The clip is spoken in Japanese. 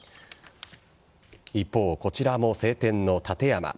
一方、こちらも晴天の立山。